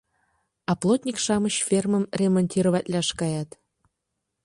А плотник-шамыч фермым ремонтироватлаш каят».